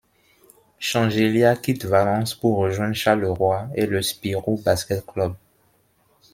Shengelia quitte Valence pour rejoindre Charleroi et le Spirou Basket Club.